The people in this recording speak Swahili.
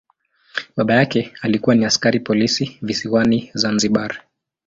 Baba yake alikuwa ni askari polisi visiwani Zanzibar.